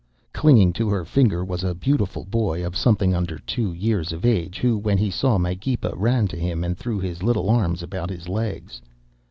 Clinging to her finger was a beautiful boy of something under two years of age, who, when he saw Magepa, ran to him and threw his little arms about his legs.